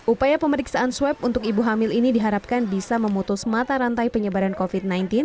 upaya pemeriksaan swab untuk ibu hamil ini diharapkan bisa memutus mata rantai penyebaran covid sembilan belas